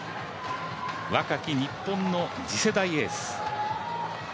若き日本の次世代エース。